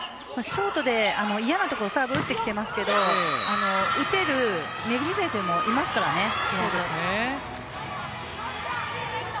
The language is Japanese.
ショートで嫌なところにサーブ、打ってきていますが打てるめぐみ選手もいますからね。